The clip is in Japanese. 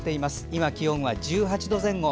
今、気温は１８度前後。